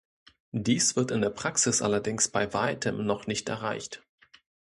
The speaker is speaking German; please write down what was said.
Dies wird in der Praxis allerdings bei Weitem noch nicht erreicht.